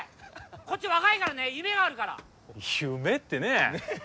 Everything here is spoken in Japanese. こっち若いからね夢があるから夢ってねえねえ